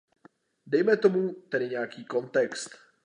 Dejme tomu tedy nějaký kontext.